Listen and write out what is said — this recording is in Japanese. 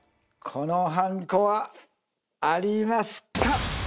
このはんこはありますか？